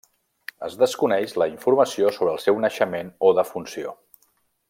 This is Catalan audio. Es desconeix la informació sobre el seu naixement o defunció.